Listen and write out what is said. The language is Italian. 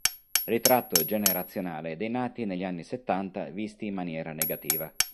Ritratto generazionale dei nati negli anni settanta visti in maniera negativa.